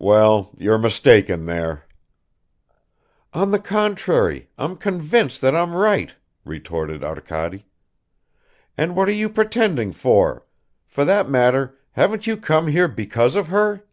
"Well, you're mistaken there." "On the contrary, I'm convinced that I'm right," retorted Arkady. "And what are you pretending for? For that matter, haven't you come here because of her?"